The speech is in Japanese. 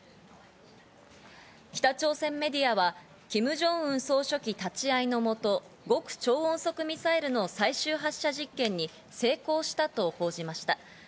北朝鮮メディアはキム・ジョンウン総書記立ち会いのもと極超音速ミサイルの最終発射実験に成功したと報じました。